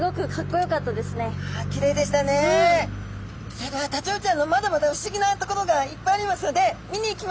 それではタチウオちゃんのまだまだ不思議なところがいっぱいありますので見に行きましょう。